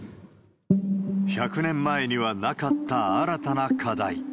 １００年前にはなかった新たな課題。